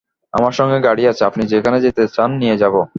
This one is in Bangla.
আমার সঙ্গে গাড়ি আছে, আপনি যেখানে যেতে চান নিয়ে যাব।